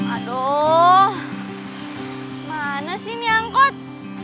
aduh mana sih nyangkut